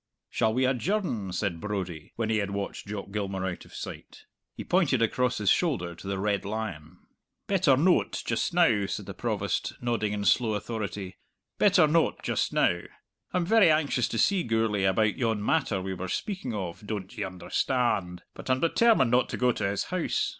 "Shall we adjourn?" said Brodie, when they had watched Jock Gilmour out of sight. He pointed across his shoulder to the Red Lion. "Better noat just now," said the Provost, nodding in slow authority "better noat just now! I'm very anxious to see Gourlay about yon matter we were speaking of, doan't ye understa and? But I'm determined not to go to his house!